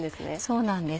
そうなんです。